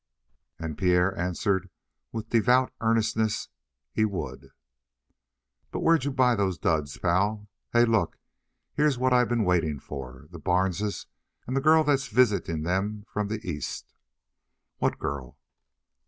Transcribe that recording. And Pierre answered with devout earnestness: "He would." "But where'd you buy those duds, pal? Hey, look! Here's what I've been waiting for the Barneses and the girl that's visitin' 'em from the East." "What girl?"